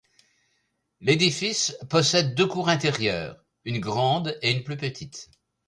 L’édifice possède deux cours intérieures, une grande et une plus petite.